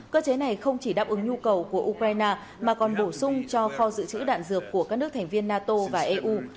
cơ chế này không chỉ đáp ứng nhu cầu của ukraine mà còn bổ sung cho kho dự trữ đạn dược của các nước thành viên nato và eu